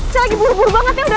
sebentar lagi selesai mbak